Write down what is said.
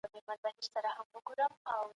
شرم د سړي په ژوند کي د کړاوونو لویه منبع ده.